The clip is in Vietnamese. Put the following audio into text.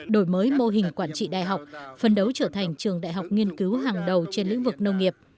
đổi mới mô hình quản trị đại học phân đấu trở thành trường đại học nghiên cứu hàng đầu trên lĩnh vực nông nghiệp